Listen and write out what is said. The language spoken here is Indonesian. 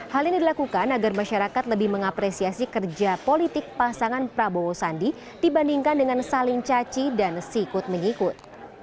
hal ini dilakukan agar masyarakat lebih mengapresiasi kerja politik pasangan prabowo sandi dibandingkan dengan saling caci dan sikut menyikut